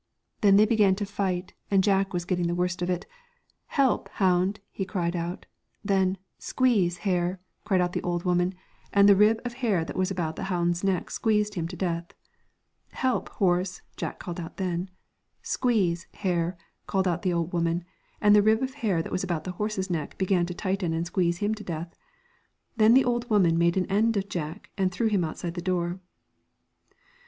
Then they began to fight, and Jack was getting the worst of it. ' Help, hound !' he cried out, then ' Squeeze, hair,' cried out the old woman, and the rib of 225 Q Dreams that have no Moral. The hair that was about the hound's neck Celtic Twilight, squeezed him to death. 'Help, horse!' Jack called out, then ' Squeeze, hair,' called out the old woman, and the rib of hair that was about the horse's neck began to tighten and squeeze him to death. Then the old woman made an end of Jack and threw him outside the door.